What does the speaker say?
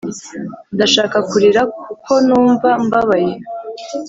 ndashaka kurira kuko numva mbabaye.